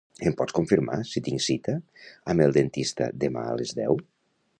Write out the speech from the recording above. Em pots confirmar si tinc cita amb el dentista demà a les deu.